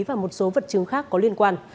và một số vật chứng khác có liên quan